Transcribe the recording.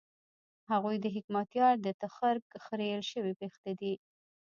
هغوی د حکمتیار د تخرګ خرېیل شوي وېښته دي.